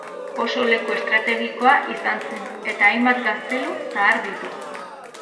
Oso leku estrategikoa izan zen eta hainbat gaztelu zahar ditu.